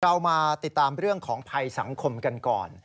เรามาติดตามเรื่องของภัยสังคมกันก่อน